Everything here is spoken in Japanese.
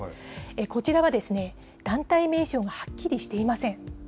こちらは団体名称がはっきりしていません。